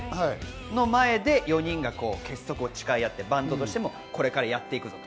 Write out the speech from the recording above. その前で４人が結束を誓い合って、バンドとしてもこれからやっていくぞと。